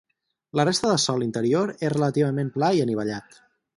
La resta del sòl interior és relativament pla i anivellat.